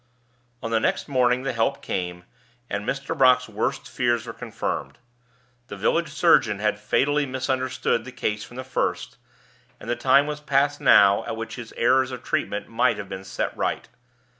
On the next morning the help came, and Mr. Brock's worst fears were confirmed. The village surgeon had fatally misunderstood the case from the first, and the time was past now at which his errors of treatment might have been set right.